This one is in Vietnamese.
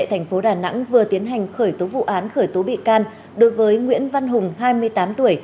thành phố đà nẵng vừa tiến hành khởi tố vụ án khởi tố bị can đối với nguyễn văn hùng hai mươi tám tuổi